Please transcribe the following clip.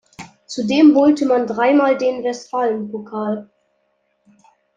Zudem holte man dreimal den Westfalenpokal.